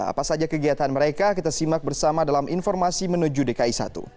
apa saja kegiatan mereka kita simak bersama dalam informasi menuju dki satu